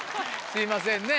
すいませんね。